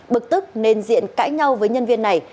bực tức nên diện cãi nhau với nhân viên này